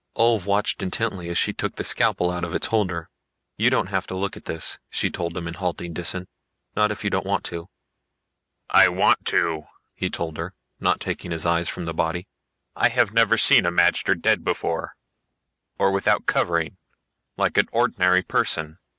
Ulv watched intently as she took the scalpel out of its holder. "You don't have to look at this," she told him in halting Disan. "Not if you don't want to." "I want to," he told her, not taking his eyes from the body. "I have never seen a magter dead before, or without covering, like an ordinary person."